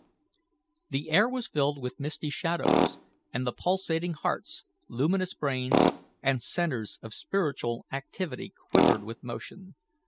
The air was filled with misty shadows, and the pulsating hearts, luminous brains, and centres of spiritual activity quivered with motion.